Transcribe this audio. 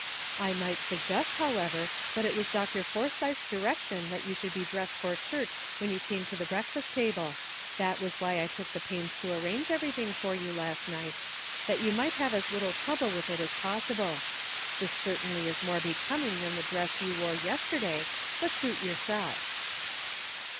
I might sug gest, however, that it was Dr. Forsythe's direc tion that you be dressed for church when you came to the breakfast table; that was why I took the pains to arrange everything for you last night, that you might have as little trouble with it as possible. This certainly is more be coming than the dress you wore yesterday ; but suit yourself."